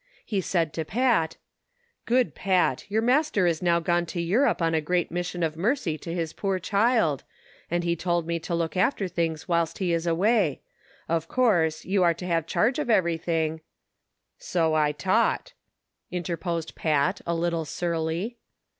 He said to Pat : 70 THE SOCIAL WAR OF 1900; OR, "Good Pat, your master has now gone to Europe on a great mission of mercy to his poor child, and lie told me to look after things whilst he is away ; of course, you are to have charge of everything "— "So I tought," interposed Pat, a little surly.